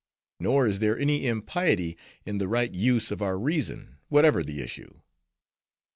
Nor is there any impiety in the right use of our reason, whatever the issue.